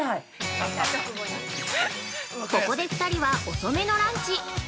◆ここで２人は遅めのランチ！